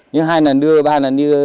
nhưng hai lần đưa ba lần đưa đi